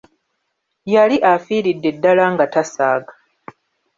Yali afiiridde ddala nga tasaaga.